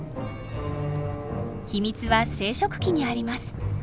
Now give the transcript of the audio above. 秘密は生殖器にあります。